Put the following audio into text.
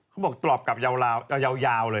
เขาบอกตอบกลับยาวเลย